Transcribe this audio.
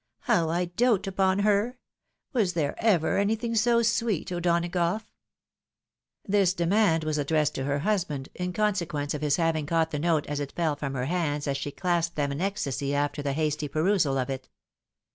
" How I dote upon her ! Was there ever anything so sweet, O'Dona gough ■?" Tliis demand was addressed to her husband, in consequence of his having caught the note as it fell from her hands as she clasped them in ecstasy after the hasty perusal of it.